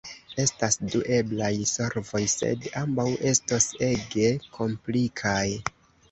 Estas du eblaj solvoj, sed ambaŭ estos ege komplikaj.